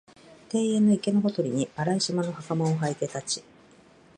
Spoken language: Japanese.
庭園の池のほとりに、荒い縞の袴をはいて立ち、